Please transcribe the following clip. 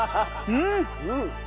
うん！